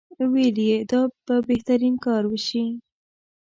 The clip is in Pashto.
ویل یې دا به بهترین کار وشي.